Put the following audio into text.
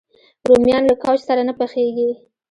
رومیان له کوچ سره نه پخېږي